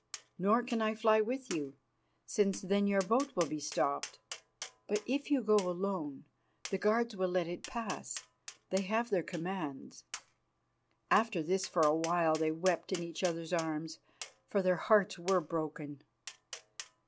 Nor can I fly with you, since then your boat will be stopped. But if you go alone, the guards will let it pass. They have their commands." After this for a while they wept in each other's arms, for their hearts were broken.